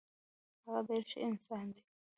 هغه ډیر ښه انسان دی.